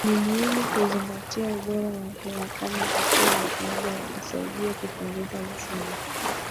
Ni muhimu kuzingatia ubora wa hewa kama hatua ya ziada ya kusaidia kupunguza mzigo